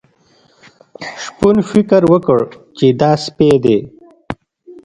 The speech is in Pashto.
شپون فکر وکړ چې دا سپی دی.